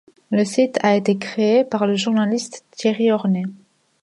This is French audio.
Le site a été créé par le journaliste Thierry Hornet.